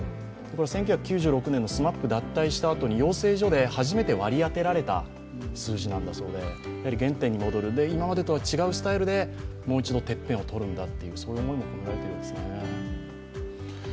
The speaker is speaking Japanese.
１９９６年のＳＭＡＰ脱退したときに初めて養成所で割り当てられた数字だそうで、原点に戻る、今までとは違うスタイルでもう一度てっぺんをとるんだというそういう思いもあるようですね。